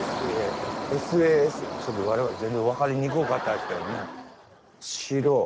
ちょっと我々全然分かりにくかったですけどね。